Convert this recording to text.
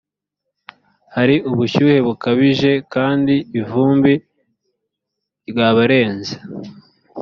hari ubushyuhe bukabije kandi ivumbi ryabarenze.